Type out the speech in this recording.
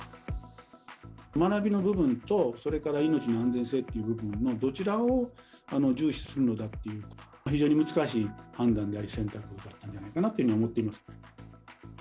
学びの部分と、それから命の安全性という部分のどちらを重視するのかという、非常に難しい判断であり、選択だったんじゃないかなというふうに思っています。